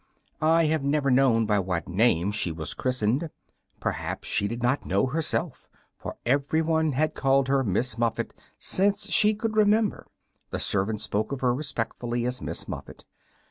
I have never known by what name she was christened. Perhaps she did not know herself, for everyone had called her "Miss Muffet" since she could remember. The servants spoke of her respectfully as Miss Muffet.